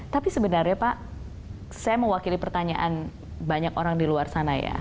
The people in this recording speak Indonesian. tapi sebenarnya pak saya mewakili pertanyaan banyak orang di luar sana ya